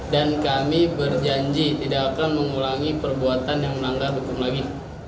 dan kami berjanji tidak akan mengulangi perbuatan yang menanggah hukum lagi